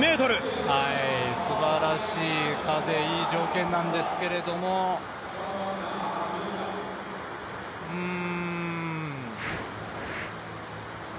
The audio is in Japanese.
すばらしい風、いい条件なんですけれども、うん。